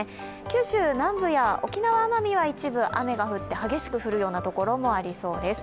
九州南部や沖縄・奄美は一部雨が降って激しく降る所もありそうです。